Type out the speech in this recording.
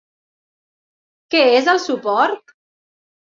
Què és el suport?